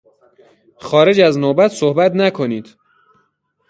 خارج از نوبت صحبت نکنید!